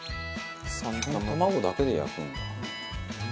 卵だけで焼くんだ。